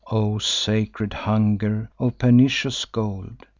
O sacred hunger of pernicious gold!